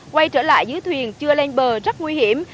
quay trở lại dưới thuyền chưa lên bờ rất nguy hiểm